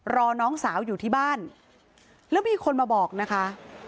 น้องสาวอยู่ที่บ้านแล้วมีคนมาบอกนะคะ